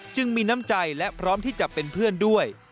มีน้ำใจและพร้อมที่จะเป็นเพื่อนด้วย